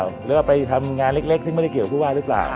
หรือว่าไปทำงานเล็กซึ่งไม่ได้เกี่ยวผู้ว่าหรือเปล่า